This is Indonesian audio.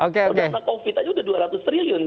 pada saat covid sembilan belas aja sudah dua ratus triliun